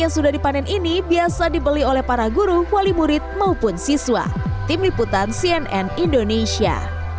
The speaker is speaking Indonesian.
yang sudah dipanen ini biasa dibeli oleh para guru wali murid maupun siswa tim liputan cnn indonesia